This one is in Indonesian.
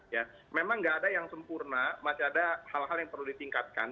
ya memang nggak ada yang sempurna masih ada hal hal yang perlu ditingkatkan